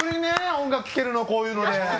音楽聴けるのこういうので。